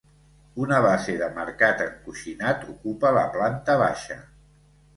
Una base de marcat encoixinat ocupa la planta baixa.